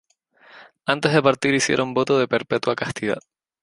Antes de partir hicieron voto de perpetua castidad.